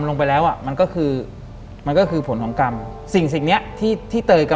หลังจากนั้นเราไม่ได้คุยกันนะคะเดินเข้าบ้านอืม